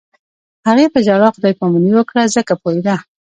هغې په ژړا خدای پاماني وکړه ځکه پوهېده